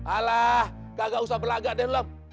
alah kagak usah berlagak deh loh